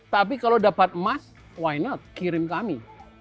tapi emas kenapa tidak kirim kami